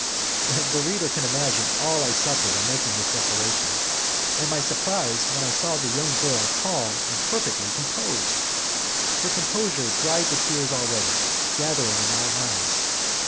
The reader can imagine all I suffered in making this declaration, and my surprise when I saw the young girl calm and perfectly composed! Her composure dried the tears already gathering in my eyes.